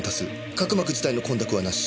角膜自体の混濁はなし。